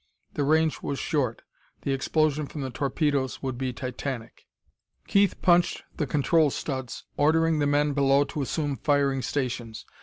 The range was short; the explosion from the torpedoes would be titanic. Keith punched the control studs, ordering the men below to assume firing stations.